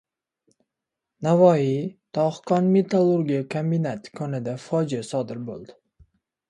Navoiy tog‘-kon metallurgiya kombinati konida fojia sodir bo‘ldi